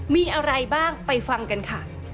มีอะไรบ้างไปฟังกันค่ะ